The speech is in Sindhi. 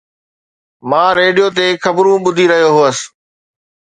مان ريڊيو تي خبرون ٻڌي رهيو هوس